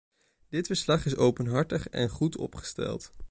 Dit verslag is openhartig en goed opgesteld.